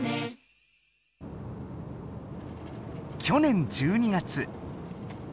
去年１２月。